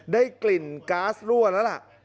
ได้กลิ่นก๊าซรั่วแล้วล่ะ